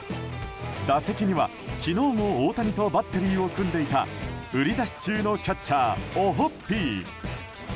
打席には、昨日も大谷とバッテリーを組んでいた売り出し中のキャッチャーオホッピー。